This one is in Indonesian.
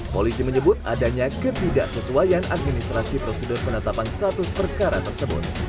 polisi menyebut adanya ketidaksesuaian administrasi prosedur penetapan status perkara tersebut